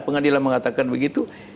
pengadilan mengatakan begitu